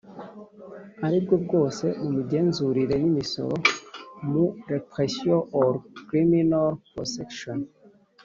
ari bwo bwose mu migenzurire y imisoro mu repression or criminal prosecution